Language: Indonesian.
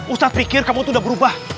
ustadz pikir kamu tuh udah berubah